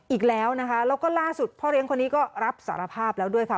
อีกแล้วนะคะแล้วก็ล่าสุดพ่อเลี้ยงคนนี้ก็รับสารภาพแล้วด้วยค่ะ